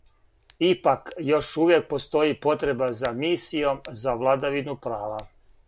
Ипак, још увијек постоји потреба за мисијом за владавину права.